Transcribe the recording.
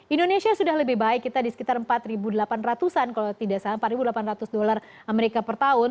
indonesia sudah lebih baik kita di sekitar empat delapan ratus an kalau tidak salah empat delapan ratus dolar amerika per tahun